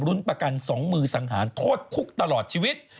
รุ้นประกัน๒มือสังหารโทษคุกตลอดชีวิต